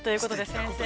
先生